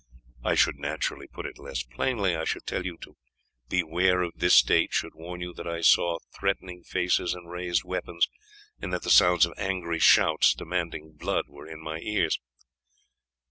I should naturally put it less plainly. I should tell you to beware of this date, should warn you that I saw threatening faces and raised weapons, and that the sounds of angry shouts demanding blood were in my ears.